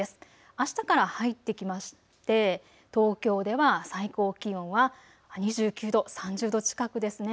あしたから入ってきまして東京では最高気温は２９度、３０度近くですね。